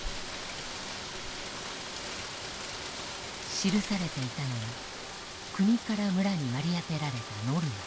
記されていたのは国から村に割り当てられたノルマ。